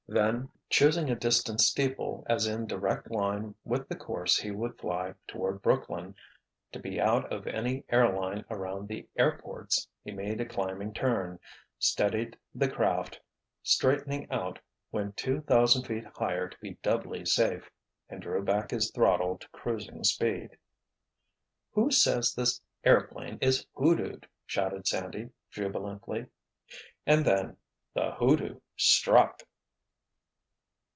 Then, choosing a distant steeple as in direct line with the course he would fly toward Brooklyn, to be out of any airline around the airports, he made a climbing turn, steadied the craft, straightening out, went two thousand feet higher to be doubly safe—and drew back his throttle to cruising speed. "Who says this airplane is hoodooed?" shouted Sandy, jubilantly. And then—the hoodoo struck!